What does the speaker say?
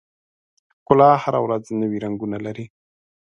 ښکلا هره ورځ نوي رنګونه لري.